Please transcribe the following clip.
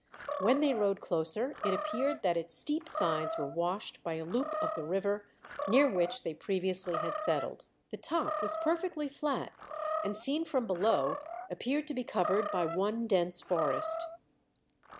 When they rode closer it appeared that its steep sides were washed by a loop of the river near which they previously had settled. The top was perfectly flat, and seen from below appeared to be covered by one dense forest.